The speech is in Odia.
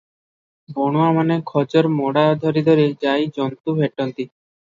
ବଣୁଆ ମାନେ ଖୋଜର ମଡ଼ା ଧରିଧରି ଯାଇ ଜନ୍ତୁ ଭେଟନ୍ତି ।